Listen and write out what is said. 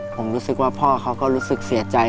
ผมรู้สึกว่าพ่อเขาก็รู้สึกเสียใจ